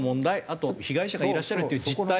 あと被害者がいらっしゃるっていう実態。